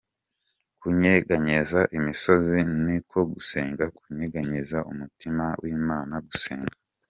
kunyeganyeza imisozi ni ko no gusenga kunyeganyeza umutima w'Imana,"Gusenga.